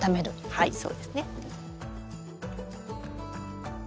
はいそうですね。